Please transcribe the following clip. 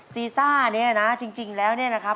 ซีซ่านี่นะจริงแล้วนี่นะครับ